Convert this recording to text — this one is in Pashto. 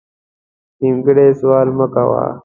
نیمګړی سوال مه کوه